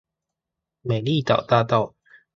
美麗島大道